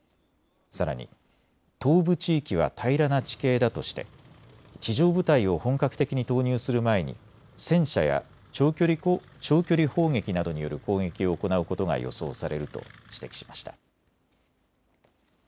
さらに東部地域は平らな地形だとして地上部隊を本格的に投入する前に戦車や、長距離砲撃などによる攻撃を行うことが予想されると指摘しました。